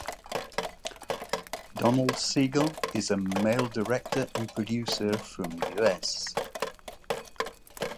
Donald Siegel is a male director and producer from US.